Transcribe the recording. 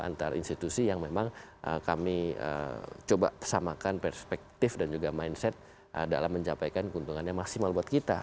dan juga antar institusi yang memang kami coba samakan perspektif dan juga mindset dalam mencapai keuntungannya maksimal buat kita